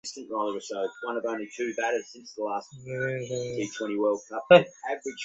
তিনি তার উপন্যাস হানি ইন দ্য হর্ন লেখা শেষ করেন।